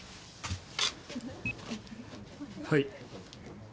はい。